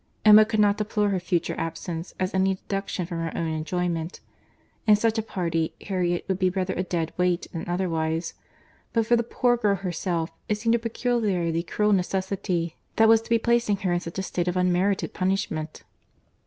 Emma could not deplore her future absence as any deduction from her own enjoyment. In such a party, Harriet would be rather a dead weight than otherwise; but for the poor girl herself, it seemed a peculiarly cruel necessity that was to be placing her in such a state of unmerited punishment.